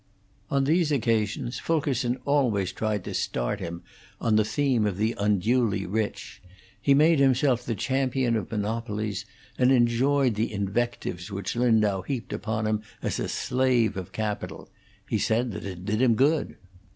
On these occasions Fulkerson always tried to start him on the theme of the unduly rich; he made himself the champion of monopolies, and enjoyed the invectives which Lindau heaped upon him as a slave of capital; he said that it did him good.